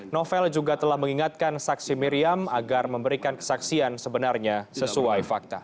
novel juga telah mengingatkan saksi miriam agar memberikan kesaksian sebenarnya sesuai fakta